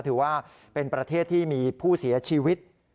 ถือว่าเป็นประเทศที่มีผู้เสียชีวิต